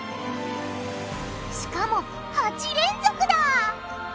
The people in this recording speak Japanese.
しかも８連続だ！